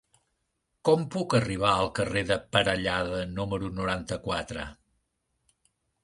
Com puc arribar al carrer de Parellada número noranta-quatre?